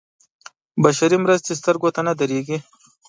بشري مرستې سترګو ته نه درېږي.